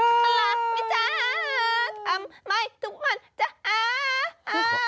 ทำไมทุกคนจะอ้า